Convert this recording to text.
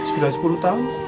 sudah sepuluh tahun